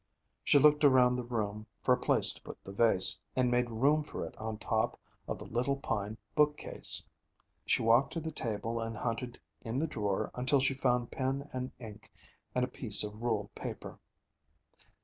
She looked around the room for a place to put the vase, and made room for it on top of the little pine book case. She walked to the table and hunted in the drawer until she found pen and ink and a piece of ruled paper.